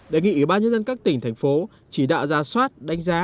đề nghị ủy ban nhân dân các tỉnh thành phố chỉ đạo ra soát đánh giá